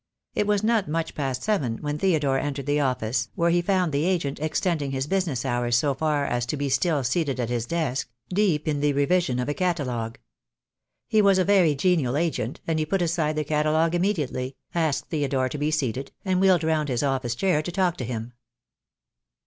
It was not much past seven when Theodore entered the office, where he found the agent extending his business hours so far as to be still seated at his desk, deep in the revision of a catalogue. He was a very genial agent, and he put aside the catalogue immediately, asked Theodore to be seated, and wheeled round his office chair to talk to him.